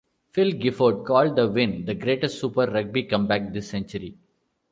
Phil Gifford called the win the "greatest Super Rugby comeback this century".